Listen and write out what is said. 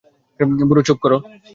বুড়ো, চুপ কর।